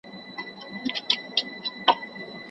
هغه تر مځکي لاندي یوه ډېره زړه نقشه پیدا کړه.